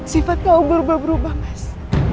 sifat kau berubah berubah mas